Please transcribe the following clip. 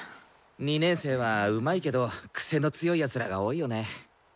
２年生はうまいけど癖の強い奴らが多いよね。